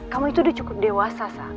kamu itu udah cukup dewasa